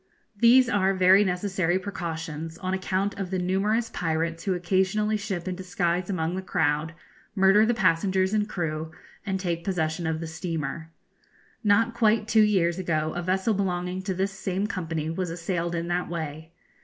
These are very necessary precautions, on account of the numerous pirates who occasionally ship in disguise among the crowd, murder the passengers and crew, and take possession of the steamer. Not quite two years ago a vessel belonging to this same company was assailed in that way.